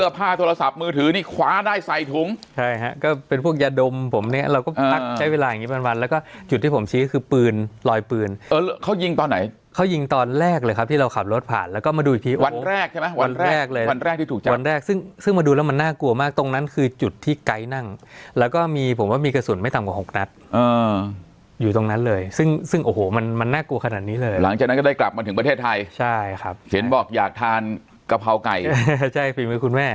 เสื้อผ้าโทรศัพท์มือถือนี่ขวาได้ใส่ถุงใช่ฮะก็เป็นพวกยาดมผมเนี้ยเราก็นักใช้เวลาอย่างงี้บ้างบ้างแล้วก็จุดที่ผมชี้คือปืนลอยปืนเออเขายิงตอนไหนเขายิงตอนแรกเลยครับที่เราขับรถผ่านแล้วก็มาดูอีกทีวันแรกใช่ไหมวันแรกเลยวันแรกที่ถูกจับวันแรกซึ่งซึ่งมาดูแล้วมันน่ากลัวมากตรงนั้นคือจุดที่ไ